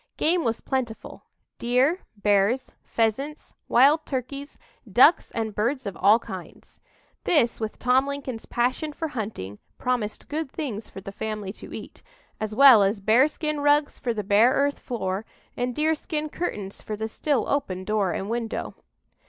Game was plentiful deer, bears, pheasants, wild turkeys, ducks and birds of all kinds. This, with Tom Lincoln's passion for hunting, promised good things for the family to eat, as well as bearskin rugs for the bare earth floor, and deerskin curtains for the still open door and window.